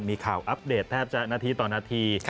มีข่าวอัปเดตแทบจะนาทีต่อนาที